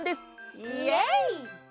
イエイ！